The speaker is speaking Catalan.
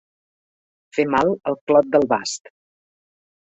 Fer mal el clot del bast.